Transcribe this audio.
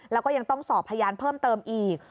แล้วก็ยังต้องสอบพยานเพิ่มเติมอีก